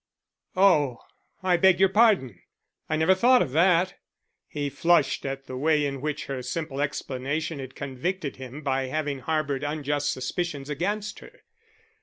"Oh, I beg your pardon. I never thought of that." He flushed at the way in which her simple explanation had convicted him of having harboured unjust suspicions against her.